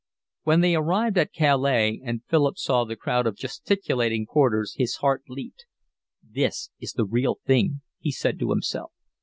When they arrived at Calais and Philip saw the crowd of gesticulating porters his heart leaped. "This is the real thing," he said to himself.